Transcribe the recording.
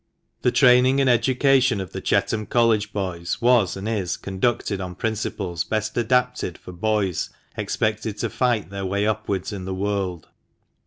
The training and education of the Chetham College boys was, and is, conducted on principles best adapted for boys expected to fight their way upwards in the world.